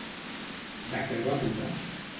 De què el va acusar?